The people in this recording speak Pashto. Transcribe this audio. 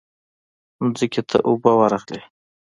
ځمکې ته اوبه ورغلې.